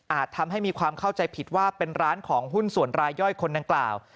ทำให้มีความเข้าใจผิดว่าเป็นร้านของหุ้นส่วนรายย่อยคนดังกล่าว